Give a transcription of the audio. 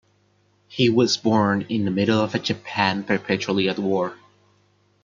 He was born in the middle of a Japan perpetually at war.